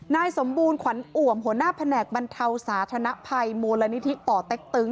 นายสมบูรณ์ขวัญอ่วมหัวหน้าแผนกบรรเทาสาธนภัยมูลนิธิป่อเต็กตึง